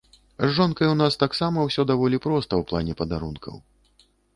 З жонкай у нас таксама ўсё даволі проста ў плане падарункаў.